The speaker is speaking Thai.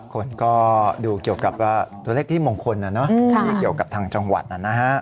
คนก็ดูเกี่ยวกับว่าตัวเลขที่มงคลที่เกี่ยวกับทางจังหวัดนะฮะ